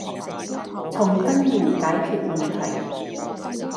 從根源解決問題